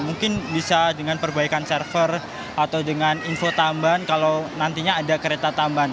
mungkin bisa dengan perbaikan server atau dengan info tambahan kalau nantinya ada kereta tambahan